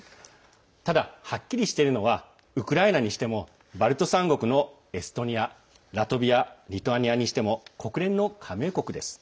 ただ、はっきりしているのはウクライナにしてもバルト３国のエストニアラトビア、リトアニアにしても国連の加盟国です。